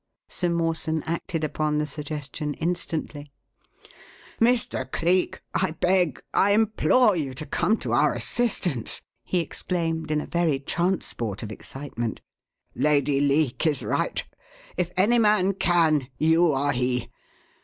Sir Mawson acted upon the suggestion instantly. "Mr. Cleek, I beg, I implore you to come to our assistance!" he exclaimed in a very transport of excitement. "Lady Leake is right. If any man can, you are he!